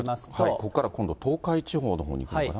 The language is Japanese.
ここから今度は東海地方のほうにいくのかな。